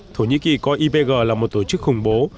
thổ nhĩ kỳ coi ipg là một tổ chức khủng bố